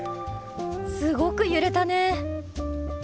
すごく揺れたね。